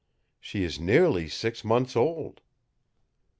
"She is nearly six months old."